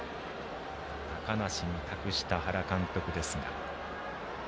高梨に託した原監督ですが。